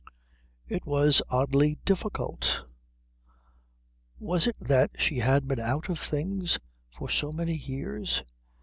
It was oddly difficult. Was it that she had been out of things for so many years?